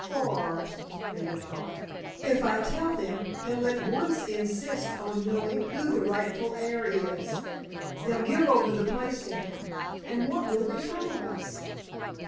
"For," Maida thought, "if I tell them, they'll at once insist on knowing who the rightful heir is, they'll give over the place to him—and what will become of us?"